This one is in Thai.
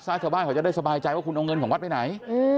ชาวบ้านเขาจะได้สบายใจว่าคุณเอาเงินของวัดไปไหน